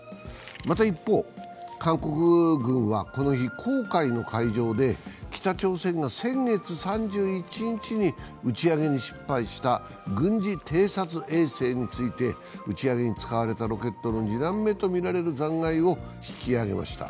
また一方、韓国軍はこの日、黄海の海上で北朝鮮が先月３１日に打ち上げに失敗した軍事偵察衛星について、打ち上げに使われたロケットの２段目とみられる残骸を引き揚げました。